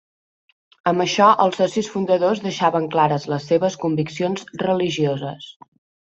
Amb això els socis fundadors deixaven clares les seves conviccions religioses.